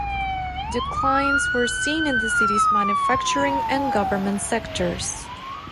Declines were seen in the city's manufacturing and government sectors.